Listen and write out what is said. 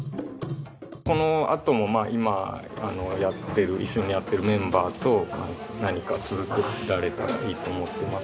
このあともまあ今やってる一緒にやってるメンバーと何か続けられたらいいと思ってます。